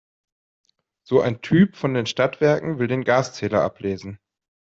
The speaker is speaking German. So ein Typ von den Stadtwerken will den Gaszähler ablesen.